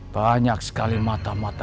banyak sekali mata mata